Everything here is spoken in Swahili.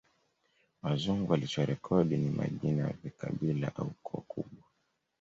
Wazungu walichorekodi ni majina ya vikabila au koo kubwa